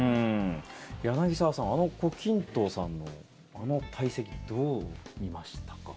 柳澤さんあの胡錦涛さんの、あの退席どう見ましたか？